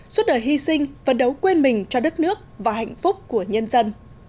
suốt đời hy sinh vận đấu quên mình cho đất nước và hạnh phúc của nhân dân